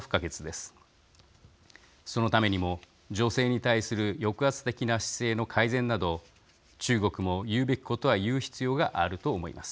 そのためにも女性に対する抑圧的な姿勢の改善など中国も言うべきことは言う必要があると思います。